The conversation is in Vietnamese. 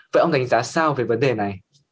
vậy ông đánh giá sao về vấn đề này